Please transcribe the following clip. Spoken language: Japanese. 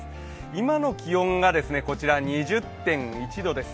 今の気温がこちら２０．１度です。